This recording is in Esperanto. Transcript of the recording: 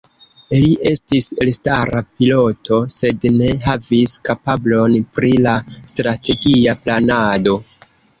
Li estis elstara piloto, sed ne havis kapablon pri la strategia planado.